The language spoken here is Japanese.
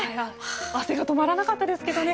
汗が止まらなかったですけどね。